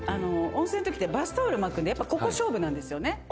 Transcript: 温泉のときってバスタオル巻くんでここ勝負なんですよね。